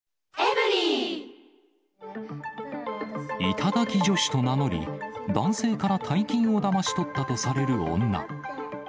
頂き女子と名乗り、男性から大金をだまし取ったとされる女。